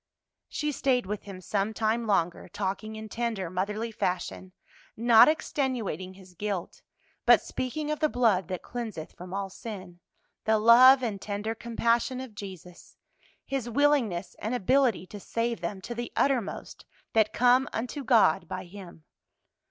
She stayed with him some time longer, talking in tender, motherly fashion; not extenuating his guilt, but speaking of the blood that cleanseth from all sin, the love and tender compassion of Jesus, His willingness and ability to save them to the uttermost that come unto God by Him.